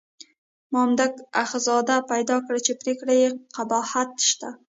مامدک اخندزاده پیدا کړه چې پرېکړه کې قباحت شته.